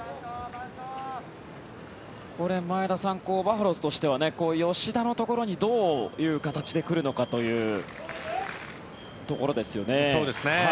これ、前田さんバファローズとしては吉田のところにどういう形で来るのかというところですよね。